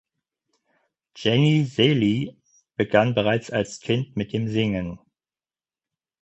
Jeannie Seely begann bereits als Kind mit dem Singen.